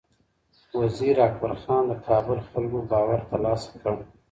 وزیر اکبر خان د کابل خلکو باور ترلاسه کړ.